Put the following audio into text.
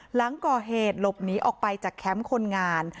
หลังก่อเหตุหลบหนีออกไปจากแคมป์คนงาน